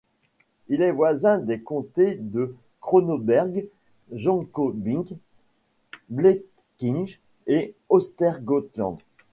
Il est voisin des comtés de Kronoberg, Jönköping, Blekinge et Östergötland.